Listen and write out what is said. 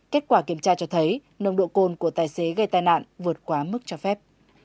kết quả kiểm tra cho thấy nồng độ cồn của tài xế gây tai nạn vượt quá mức cho phép